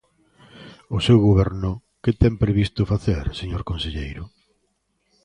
O seu goberno ¿que ten previsto facer, señor conselleiro?